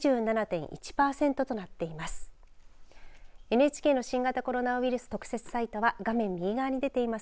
ＮＨＫの新型コロナウイルス特設サイトは画面右側に出ています